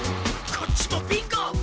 こっちもビンゴ！